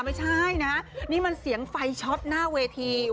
ไม่ใช่นะนี่มันเสียงไฟช็อตหน้าเวที